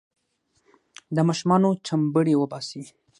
د ماشومانو چمبړې وباسي.